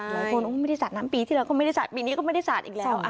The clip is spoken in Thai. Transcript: ไม่ได้สาดน้ำปีที่แล้วก็ไม่ได้สาดปีนี้ก็ไม่ได้สาดอีกแล้ว